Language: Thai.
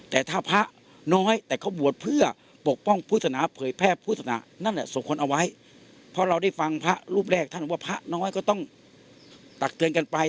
แต่ถ้าพระน้อยแต่เขาบวชเพื่อปกป้องพุทธศนาเผยแพร่โฆษณะนั่นแหละส่งคนเอาไว้เพราะเราได้ฟังพระรูปแรกท่านว่าพระน้อยก็ต้องตักเตือนกันไป